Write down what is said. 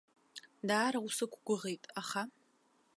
Даара усықәгәыӷит, аха.